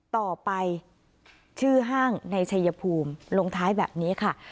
ต่อไปชื่อห้างในชัยภูมิลงท้ายแบบนี้ค่ะ